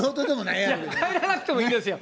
いや帰らなくてもいいんですよ。